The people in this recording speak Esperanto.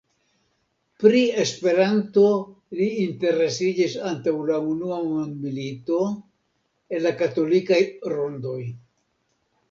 Pri Esperanto li interesiĝis antaŭ la unua mondmilito, en la katolikaj rondoj.